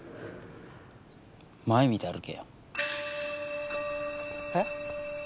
前見て歩けよ。え？